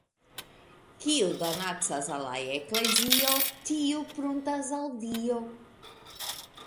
Kiu donacas al la Eklezio, tiu pruntas al Dio.